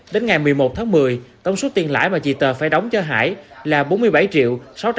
đến ngày một mươi một tháng một mươi tổng số tiền lãi mà chị tờ phải đóng cho hải là bốn mươi bảy triệu đồng